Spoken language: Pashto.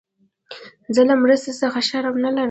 زه له مرستي څخه شرم نه لرم.